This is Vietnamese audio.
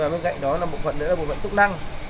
bên cạnh đó là một phần nữa là một phần tốc năng